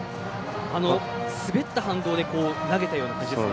滑った反動で投げたようでしたね。